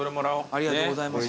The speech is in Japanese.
ありがとうございます。